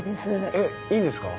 えっいいんですか？